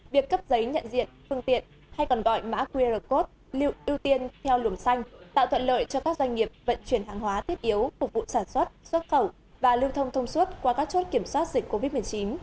mạng qr code lưu tiên theo luồng xanh tạo thuận lợi cho các doanh nghiệp vận chuyển hàng hóa thiết yếu phục vụ sản xuất xuất khẩu và lưu thông thông suốt qua các chốt kiểm soát dịch covid một mươi chín